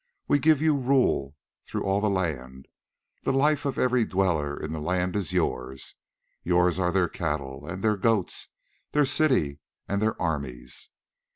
We give you rule through all the land; the life of every dweller in the land is yours; yours are their cattle and their goats, their city and their armies.